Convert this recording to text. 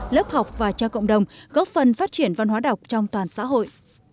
lớp học và cho cộng đồng góp phần phát triển văn hóa đọc trong toàn xã hội